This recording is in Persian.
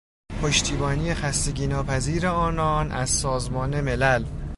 پشتیبانی خستگی ناپذیر آنان از سازمان ملل